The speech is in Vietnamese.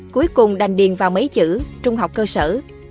cuối cùng đành điền vào mấy chữ trung học cơ sở